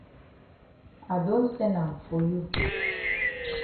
I don sen am for you.